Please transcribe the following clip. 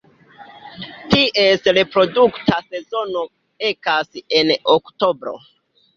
Ties reprodukta sezono ekas en oktobro.